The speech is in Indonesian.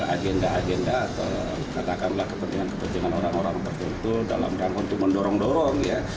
agenda agenda atau katakanlah kepentingan kepentingan orang orang tertentu dalam rangka untuk mendorong dorong ya